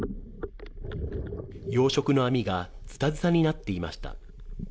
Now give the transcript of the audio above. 養殖の網がずたずたになっていました。